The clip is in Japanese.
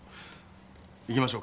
行きましょうか。